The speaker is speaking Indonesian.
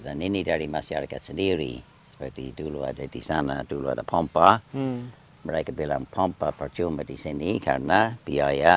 dan ini dari masyarakat sendiri seperti dulu ada di sana dulu ada pompa mereka bilang pompa percuma di sini karena biaya